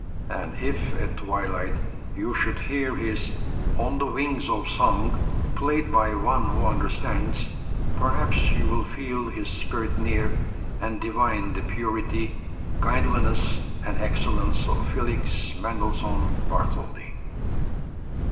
And if at twilight you should hear his "On the Wings of Song," played by one who understands, perhaps you will feel his spirit near, and divine the purity, kindliness and excellence of Felix Mendelssohn Bartholdy.